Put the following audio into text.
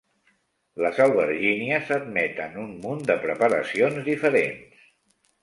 Les albergínies admeten un munt de preparacions diferents.